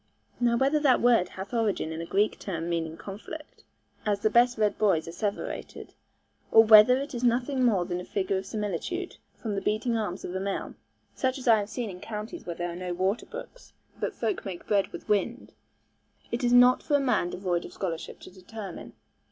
Now whether that word hath origin in a Greek term meaning a conflict, as the best read boys asseverated, or whether it is nothing more than a figure of similitude, from the beating arms of a mill, such as I have seen in counties where are no waterbrooks, but folk make bread with wind it is not for a man devoid of scholarship to determine.